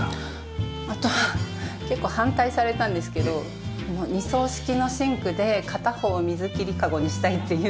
あとは結構反対されたんですけど二層式のシンクで片方を水切りカゴにしたいっていうのを。